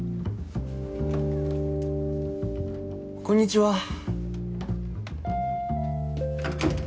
こんにちは。